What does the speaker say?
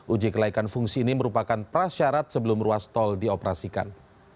uji kelaikan fungsi ini merupakan prasyarat sebelum ruas tol dioperasikan